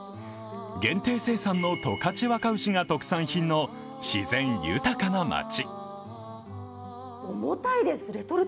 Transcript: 限定生産の十勝若牛が特産品の自然豊かなまち。